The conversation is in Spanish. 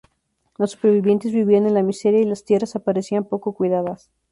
Los supervivientes vivían en la miseria y las tierras aparecían poco cuidadas.